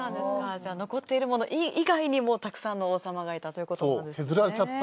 じゃあ残っているもの以外にもたくさんの王様がいたということなんですね。